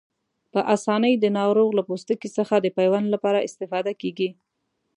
په آسانۍ د ناروغ له پوستکي څخه د پیوند لپاره استفاده کېږي.